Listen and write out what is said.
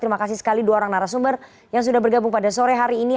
terima kasih sekali dua orang narasumber yang sudah bergabung pada sore hari ini